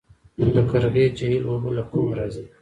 د قرغې جهیل اوبه له کومه راځي؟